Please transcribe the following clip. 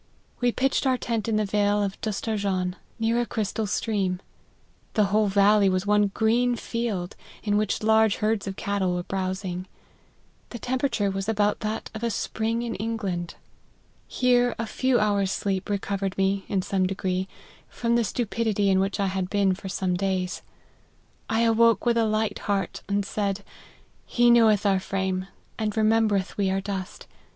We pitched our tent in the vale of Dustarjan, near a crystal stream ; the whole valley was one green field, in which large herds of cattle were browsing. The temperature was about that of spring in England. Here a few hours sleep recovered me, in some degree, from the stupidity in which I had been for some days. I awoke with a light heart, and said, ' He knoweth our frame, and remembereth we are dust.